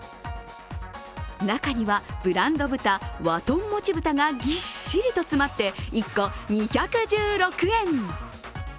中にはブランド豚、和豚もちぶたがたっぷり入って１個２１６円。